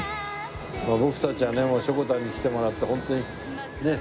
僕たちはねしょこたんに来てもらってホントにねっ。